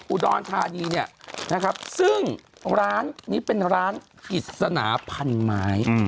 อุดรธานีเนี่ยนะครับซึ่งร้านนี้เป็นร้านกิจสนาพันไม้